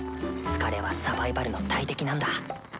疲れはサバイバルの大敵なんだ。